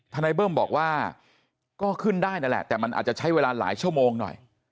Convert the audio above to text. นายเบิ้มบอกว่าก็ขึ้นได้นั่นแหละแต่มันอาจจะใช้เวลาหลายชั่วโมงหน่อย